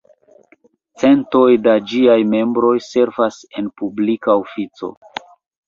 Centoj de ĝiaj membroj servas en publika ofico.